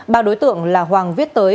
ba đối tượng là hoàng viết tới